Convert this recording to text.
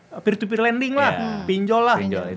ya peer to peer lending lah pinjol lah